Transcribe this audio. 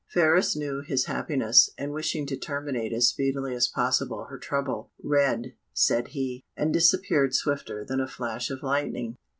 Phratis knew his happiness, and wishing to terminate as speedily as possible her trouble, "Read," said he, and disappeared swifter than a flash of lightning.